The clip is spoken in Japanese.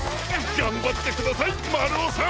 がんばってくださいまるおさん！